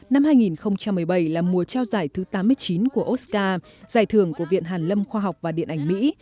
năm hai nghìn một mươi bảy là mùa trao giải thứ tám mươi chín của oscar giải thưởng của viện hàn lâm khoa học và điện ảnh mỹ